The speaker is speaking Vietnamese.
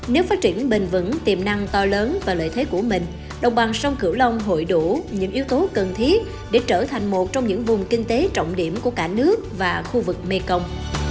nếu phát triển bền vững tiềm năng to lớn và lợi thế của mình đồng bằng sông cửu long hội đủ những yếu tố cần thiết để trở thành một trong những vùng kinh tế trọng điểm của cả nước và khu vực mekong